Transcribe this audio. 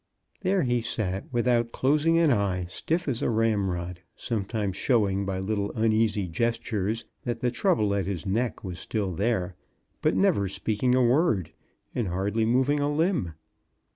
There he sat, without closing an eye, stiff as a ramrod, sometimes showing by little uneasy gestures that the trouble at his neck was still there, but never speaking a word, and hardly moving a limb.